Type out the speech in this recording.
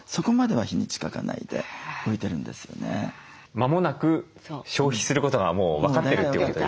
間もなく消費することがもう分かってるということですね。